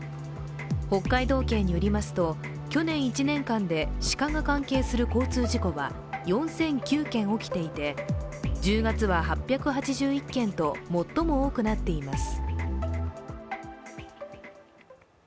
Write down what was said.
北海道警によりますと去年１年間で鹿が関係する交通事故は４００９件起きていて１０月は８８１件と最も多くなっています。